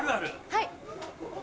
はい。